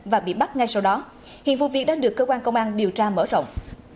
vị bắt ngay sau đó hiện vụ việc đã được cơ quan công an điều tra mở rộng